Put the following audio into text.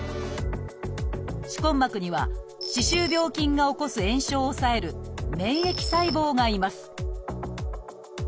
歯根膜には歯周病菌が起こす炎症を抑える免疫細胞がいます